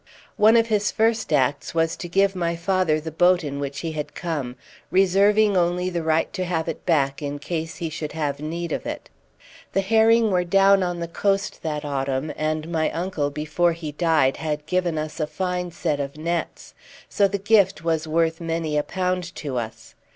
One of his first acts was to give my father the boat in which he had come, reserving only the right to have it back in case he should have need of it. The herring were down on the coast that autumn, and my uncle before he died had given us a fine set of nets, so the gift was worth many a pound to us.